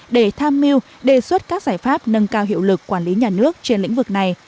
để tham mưu đề xuất các giải pháp nâng cao hiệu lực quản lý nhà nước trên lĩnh vực này